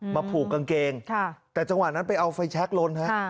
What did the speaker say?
มาผูกกางเกงแต่จังหวะนั้นไปเอาไฟชัทล์ล้นนะครับค่ะ